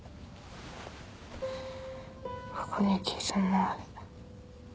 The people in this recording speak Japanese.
ここに傷もある。